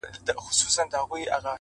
هره موخه تمرکز غواړي،